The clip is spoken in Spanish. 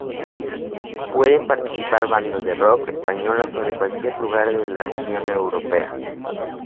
Pueden participar bandas de rock españolas o de cualquier lugar de la Unión Europea.